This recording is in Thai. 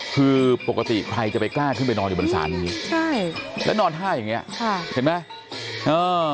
คือปกติใครจะไปกล้าขึ้นไปนอนอยู่บนศาลอย่างนี้ใช่แล้วนอนท่าอย่างนี้ค่ะเห็นไหม